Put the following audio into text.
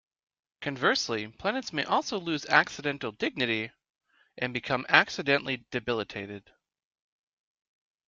Conversely planets may also lose accidental dignity and become accidentally debilitated.